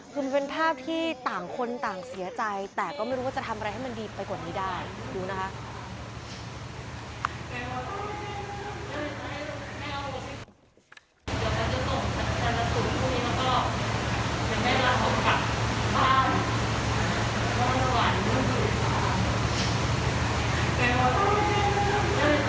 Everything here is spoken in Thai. คือมันเป็นภาพที่ต่างคนต่างเสียใจแต่ก็ไม่รู้ว่าจะทำอะไรให้มันดีไปกว่านี้ได้ดูนะคะ